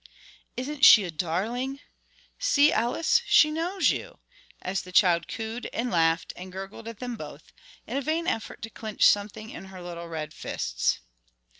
"Isn't she a darling? See, Ellis, she knows you," as the child cooed and laughed and gurgled at them both, in a vain effort to clinch something in her little red fists.